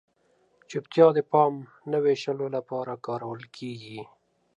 چپتیا د پام نه وېشلو لپاره کارول کیږي.